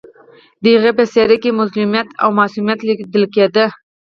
د هغې په څېره کې مظلومیت او معصومیت لیدل کېده